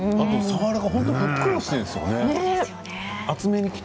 さわらがふっくらしているんですよね。